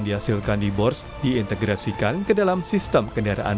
dan setelah itu kami akan memberikan kepada pelanggan